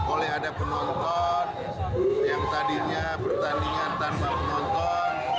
boleh ada penonton yang tadinya bertandingan tanpa penonton